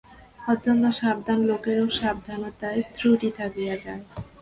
অত্যন্ত সাবধান লোকেরও সাবধানতায় ত্রুটি থাকিয়া যায়।